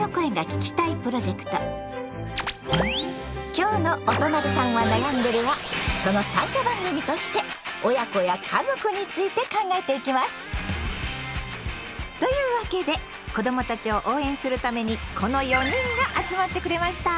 今日の「おとなりさんはなやんでる。」はその参加番組として「親子」や「家族」について考えていきます！というわけで子どもたちを応援するためにこの４人が集まってくれました！